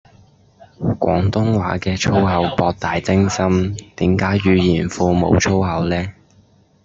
廣東話嘅粗口博大精深，點解語言庫無粗口呢